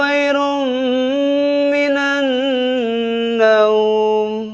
as'alatu khairum minannawum